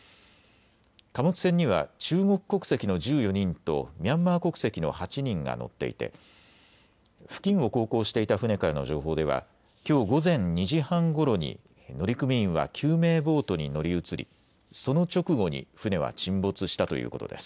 貨物船には中国国籍の１４人とミャンマー国籍の８人が乗っていて付近を航行していた船からの情報ではきょう午前２時半ごろに乗組員は救命ボートに乗り移りその直後に船は沈没したということです。